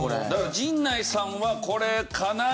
陣内さんはこれかなり。